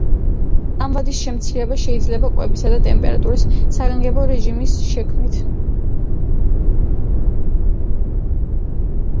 ამ ვადის შემცირება შეიძლება კვებისა და ტემპერატურის საგანგებო რეჟიმის შექმნით.